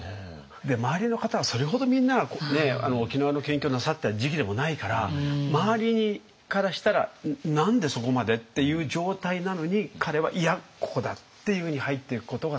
周りの方はそれほどみんなが沖縄の研究をなさった時期でもないから周りからしたら「何でそこまで？」っていう状態なのに彼は「いやここだ！」っていうふうに入っていくことがすごい。